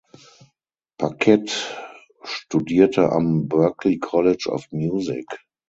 Paquette studierte am Berklee College of Music.